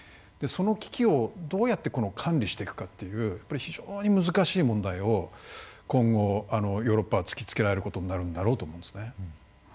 その危機をどうやって管理していくかという非常に難しい問題と今後、ヨーロッパは突きつけられることになるんだろうと思います。